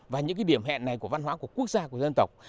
và những cái điểm hẹn này của văn hóa của quốc gia của dân tộc